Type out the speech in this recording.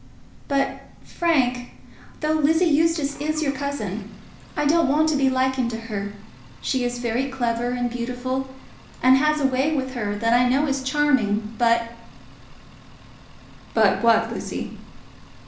But, Frank, though Lizzie Eustace is your cousin, I don't want to be likened to her. She is very clever, and beautiful, and has a way with her that I know is charming; but " "But what, Lucy?"